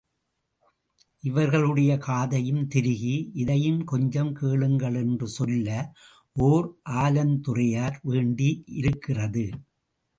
இவர்களுடைய காதையும் திருகி, இதையும் கொஞ்சம் கேளுங்கள் என்று சொல்ல ஓர் ஆலாந்துறையார் வேண்டியிருக்கிறது.